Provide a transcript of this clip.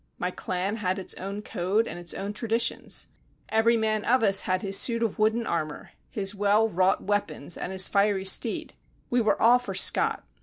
My clan had its own code and its own traditions. Every man of us had his suit of wooden armour, his well wrought weapons and his fiery steed. We were all for Scott.